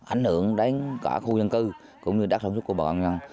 ảnh hưởng đến cả khu dân cư cũng như đất sản xuất của bọn nhân